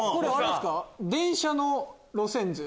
電車の路線図。